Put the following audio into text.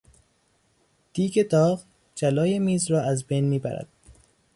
دیگ داغ جلای میز را از بین میبرد.